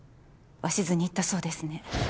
鷲津に言ったそうですね。